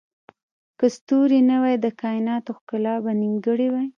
که ستوري نه وای، د کایناتو ښکلا به نیمګړې وای.